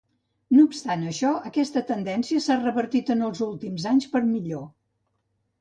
No obstant això, aquesta tendència s'ha revertit en els últims anys per a millor.